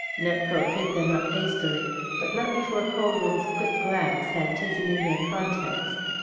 Nepcote picked them up hastily, but not before Colwyn's quick glance had taken in their contents.